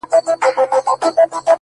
چي د پايزېب د شرنگولو کيسه ختمه نه ده _